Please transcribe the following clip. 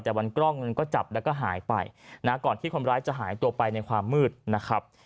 แต่วันกล้องมันก็จับแล้วก็หายไปนะก่อนที่คนร้ายจะหายตัวไปในความมืดนะครับ